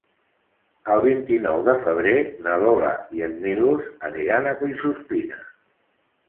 El vint-i-nou de febrer na Lola i en Milos aniran a Collsuspina.